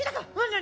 何？